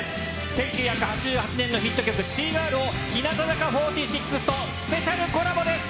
１９８８年のヒット曲、ＣーＧｉｒｌを日向坂４６とスペシャルコラボです。